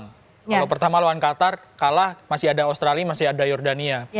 kalau pertama lawan qatar kalah masih ada australia masih ada jordania